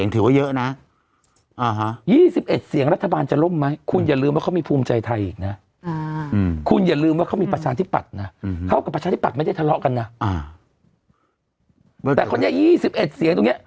แต่คนแบท๒๑เสียงตรงเนี้ย